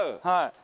はい。